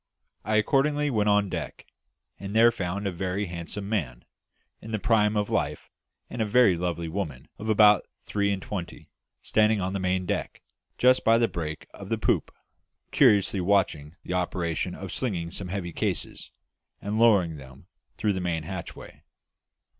I accordingly went on deck, and there found a very handsome man, in the prime of life, and a very lovely woman of about three and twenty, standing on the main deck, just by the break of the poop, curiously watching the operation of slinging some heavy cases, and lowering them through the main hatchway.